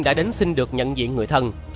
đã đến xin được nhận diện người thân